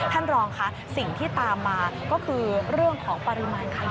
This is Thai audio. ท่านรองค่ะสิ่งที่ตามมาก็คือเรื่องของปริมาณขยะ